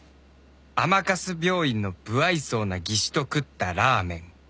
「甘春病院の無愛想な技師と食ったラーメン！」